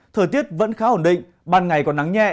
thời tiết vẫn khá ổn định ban ngày có nắng nhẹ